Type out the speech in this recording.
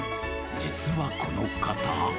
実はこの方。